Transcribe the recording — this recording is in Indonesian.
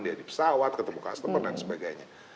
dia di pesawat ketemu customer dan sebagainya